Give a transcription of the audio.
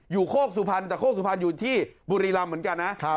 โคกสุพรรณแต่โคกสุพรรณอยู่ที่บุรีรำเหมือนกันนะ